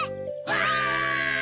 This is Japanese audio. わい！